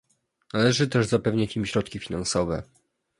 Należy też zapewnić im środki finansowe